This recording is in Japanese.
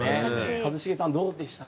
一茂さん、どうでしたか？